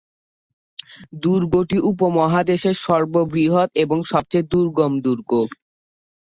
দুর্গটি উপমহাদেশের সর্ববৃহৎ এবং সবচেয়ে দুর্গম দুর্গ।